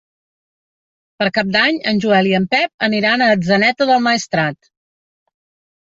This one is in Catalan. Per Cap d'Any en Joel i en Pep aniran a Atzeneta del Maestrat.